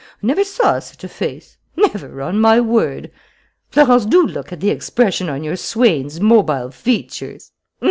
I never saw such a face, never, on my word! Florence, do look at the expression on your swain's mobile features!"